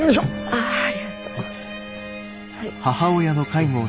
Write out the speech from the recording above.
ああありがとう。